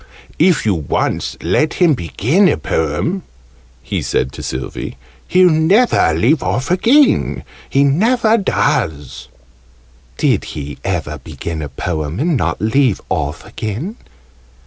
"If you once let him begin a Poem," he said to Sylvie, "he'll never leave off again! He never does!" "Did he ever begin a Poem and not leave off again?"